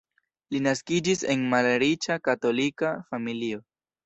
Li naskiĝis en malriĉa katolika familio.